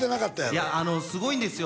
いやすごいんですよ